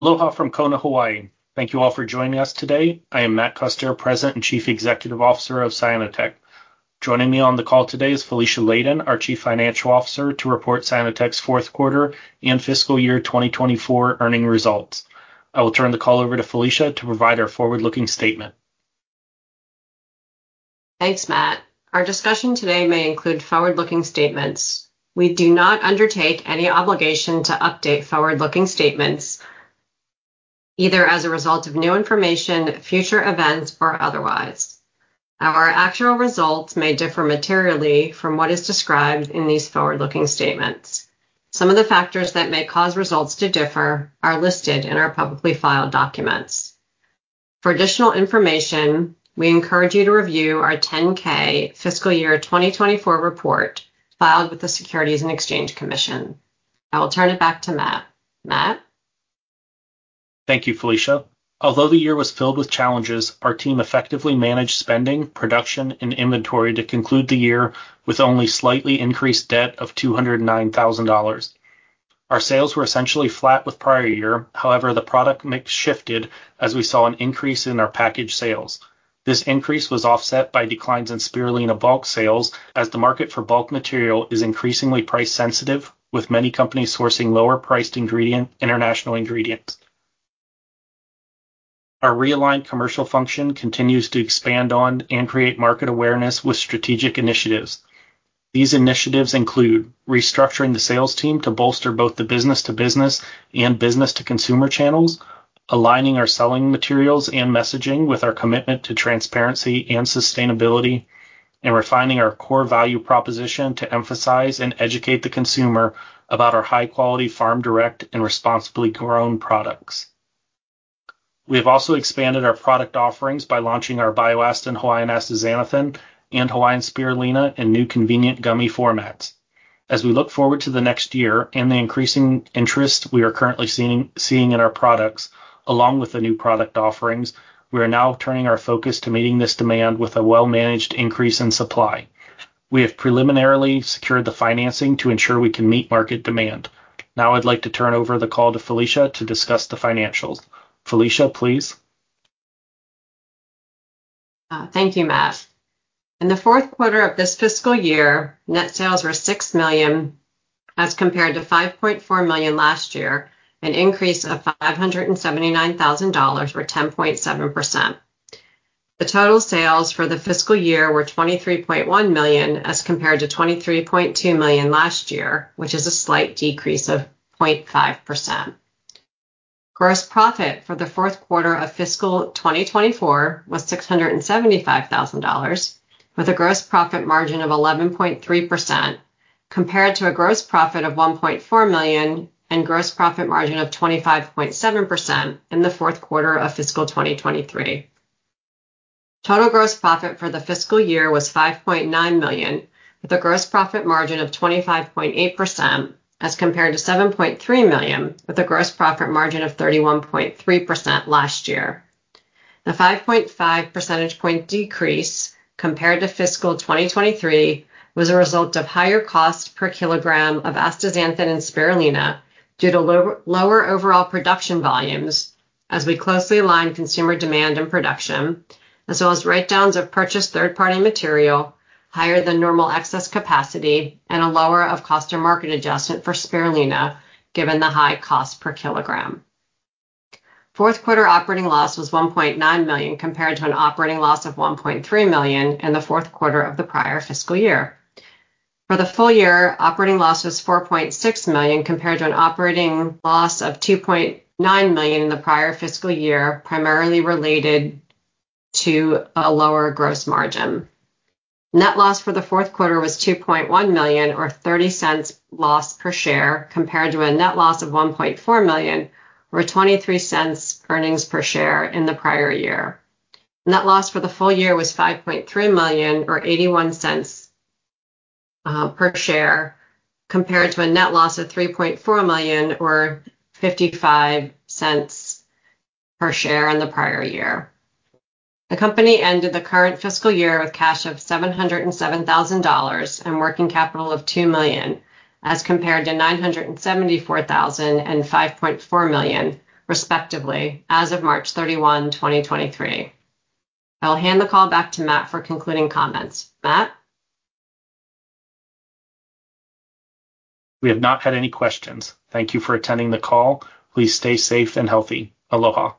Aloha from Kona, Hawaii. Thank you all for joining us today. I am Matt Custer, President and Chief Executive Officer of Cyanotech. Joining me on the call today is Felicia Ladin, our Chief Financial Officer, to report Cyanotech's fourth quarter and fiscal year 2024 earnings results. I will turn the call over to Felicia to provide our forward-looking statement. Thanks, Matt. Our discussion today may include forward-looking statements. We do not undertake any obligation to update forward-looking statements, either as a result of new information, future events, or otherwise. Our actual results may differ materially from what is described in these forward-looking statements. Some of the factors that may cause results to differ are listed in our publicly filed documents. For additional information, we encourage you to review our 10-K fiscal year 2024 report filed with the Securities and Exchange Commission. I will turn it back to Matt. Matt. Thank you, Felicia. Although the year was filled with challenges, our team effectively managed spending, production, and inventory to conclude the year with only slightly increased debt of $209,000. Our sales were essentially flat with prior year; however, the product mix shifted as we saw an increase in our packaged sales. This increase was offset by declines in spirulina bulk sales, as the market for bulk material is increasingly price-sensitive, with many companies sourcing lower-priced international ingredients. Our realigned commercial function continues to expand on and create market awareness with strategic initiatives. These initiatives include restructuring the sales team to bolster both the business-to-business and business-to-consumer channels, aligning our selling materials and messaging with our commitment to transparency and sustainability, and refining our core value proposition to emphasize and educate the consumer about our high-quality farm-direct and responsibly grown products. We have also expanded our product offerings by launching our BioAstin, Hawaiian Astaxanthin, and Hawaiian Spirulina in new convenient gummy formats. As we look forward to the next year and the increasing interest we are currently seeing in our products, along with the new product offerings, we are now turning our focus to meeting this demand with a well-managed increase in supply. We have preliminarily secured the financing to ensure we can meet market demand. Now I'd like to turn over the call to Felicia to discuss the financials. Felicia, please. Thank you, Matt. In the fourth quarter of this fiscal year, net sales were $6 million, as compared to $5.4 million last year, an increase of $579,000 or 10.7%. The total sales for the fiscal year were $23.1 million, as compared to $23.2 million last year, which is a slight decrease of 0.5%. Gross profit for the fourth quarter of fiscal 2024 was $675,000, with a gross profit margin of 11.3%, compared to a gross profit of $1.4 million and gross profit margin of 25.7% in the fourth quarter of fiscal 2023. Total gross profit for the fiscal year was $5.9 million, with a gross profit margin of 25.8%, as compared to $7.3 million, with a gross profit margin of 31.3% last year. The 5.5 percentage points decrease compared to fiscal 2023 was a result of higher cost per kilogram of astaxanthin and spirulina due to lower overall production volumes, as we closely aligned consumer demand and production, as well as write-downs of purchased third-party material higher than normal excess capacity and a lower of cost or market adjustment for spirulina, given the high cost per kilogram. Fourth quarter operating loss was $1.9 million, compared to an operating loss of $1.3 million in the fourth quarter of the prior fiscal year. For the full year, operating loss was $4.6 million, compared to an operating loss of $2.9 million in the prior fiscal year, primarily related to a lower gross margin. Net loss for the fourth quarter was $2.1 million, or $0.30 loss per share, compared to a net loss of $1.4 million, or $0.23 earnings per share in the prior year. Net loss for the full year was $5.3 million, or $0.81 per share, compared to a net loss of $3.4 million, or $0.55 per share in the prior year. The company ended the current fiscal year with cash of $707,000 and working capital of $2 million, as compared to $974,000 and $5.4 million, respectively, as of March 31, 2023. I will hand the call back to Matt for concluding comments. Matt. We have not had any questions. Thank you for attending the call. Please stay safe and healthy. Aloha.